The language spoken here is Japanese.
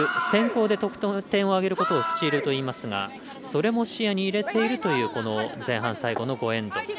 先攻で得点を挙げることをスチールといいますがそれも視野に入れているというこの前半最後の５エンド。